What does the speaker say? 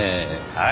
はい。